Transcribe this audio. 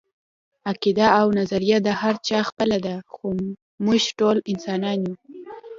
عقیده او نظريه د هر چا خپله ده، موږ ټول انسانان يو